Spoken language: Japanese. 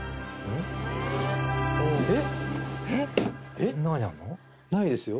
えっないですよ。